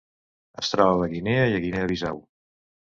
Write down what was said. Es troba a Guinea i a Guinea Bissau.